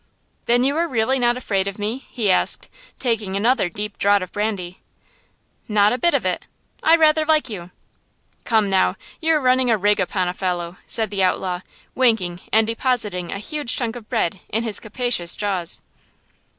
"Then, you are really not afraid of me?" he asked, taking another deep draught of brandy. "Not a bit of it–I rather like you!" "Come, now, you're running a rig upon a fellow," said the outlaw, winking and depositing a huge chunk of bread in his capacious jaws.